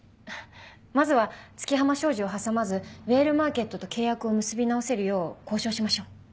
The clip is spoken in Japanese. まずは月浜商事を挟まずヴェールマーケットと契約を結び直せるよう交渉しましょう。